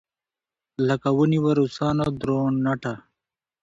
لکه ونېوه روسانو درونټه.